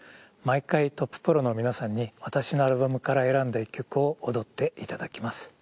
毎回トッププロの皆さんに私のアルバムから選んだ１曲を踊っていただきます。